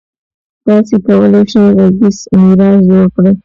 تاسو کولای شئ غږیز میراث جوړ کړئ.